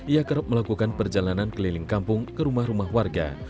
ia kerap melakukan perjalanan keliling kampung ke rumah rumah warga